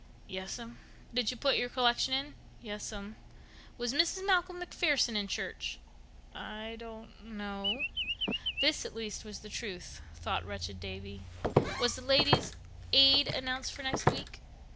"Yes'm." "Did you put your collection in?" "Yes'm." "Was Mrs. Malcolm MacPherson in church?" "I don't know." This, at least, was the truth, thought wretched Davy. "Was the Ladies' Aid announced for next week?"